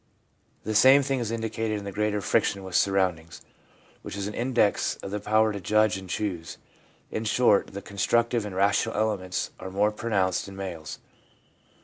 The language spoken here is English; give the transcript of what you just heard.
The same thing is indicated in the greater friction with surround ings, which is an index of the power to judge and choose. In short, the constructive and rational elements are more pronounced in males.